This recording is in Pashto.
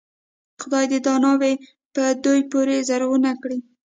خدای دې دا ناوې په دوی پورې زرغونه کړي.